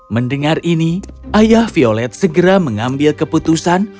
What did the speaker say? mendengar ini ayah violet segera mengambil keputusan